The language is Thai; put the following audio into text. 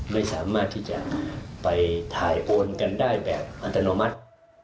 ไม่สามารถที่จะไปถ่ายโอนกันได้แบบอัตโนมัติ